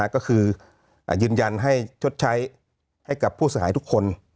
ก็คือยืนยันให้ชดใช้ให้กับผู้เสียหายทุกคน